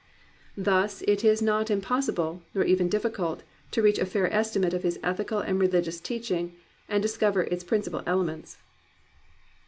Thus it is not impossible, nor even diflScult, to reach a fair estimate of his ethical and religious teaching and discover its principal elements.